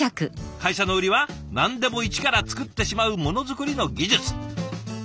会社の売りは何でも一から作ってしまうモノづくりの技術。